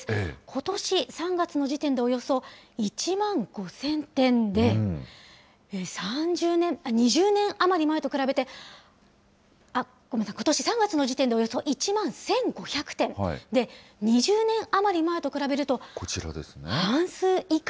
ことし３月の時点でおよそ１万５０００店で、２０年余り前と比べて、ごめんなさい、ことし３月の時点でおよそ１万１５００店で、２０年余り前と比べこちらですね。